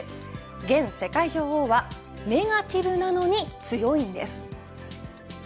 現世界女王はネガティブなのに強いんです。